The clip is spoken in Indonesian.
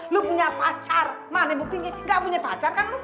lo punya pacar mana buktinya gak punya pacar kan lo